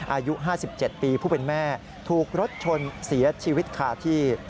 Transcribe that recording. อายุ๕๗ปีผู้เป็นแม่ถูกรถชนเสียชีวิตคาที่